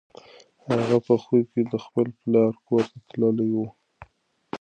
هغه په خوب کې د خپل پلار کور ته تللې وه.